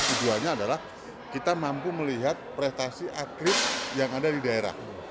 tujuannya adalah kita mampu melihat prestasi atlet yang ada di daerah